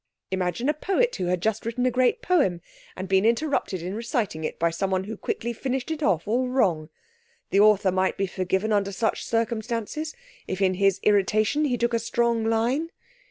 Imagine a poet who had just written a great poem, and been interrupted in reciting it by someone who quickly finished it off all wrong! The author might be forgiven under such circumstances if in his irritation he took a strong line.